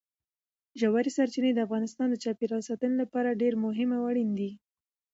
ژورې سرچینې د افغانستان د چاپیریال ساتنې لپاره ډېر مهم او اړین دي.